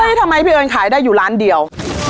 ทำไมพี่เอิญขายได้อยู่ร้านเดียว